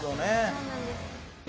そうなんです。